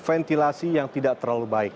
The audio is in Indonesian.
ini juga agak terlalu baik